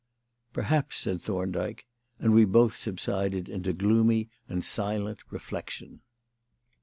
"Perhaps," said Thorndyke; and we both subsided into gloomy and silent reflection.